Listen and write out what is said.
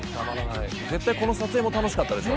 「絶対この撮影も楽しかったでしょ」